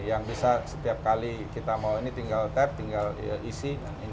yang bisa setiap kali kita mau ini tinggal tap tinggal isi